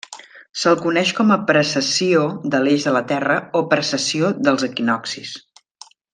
Se'l coneix com a precessió de l'eix de la Terra, o precessió dels equinoccis.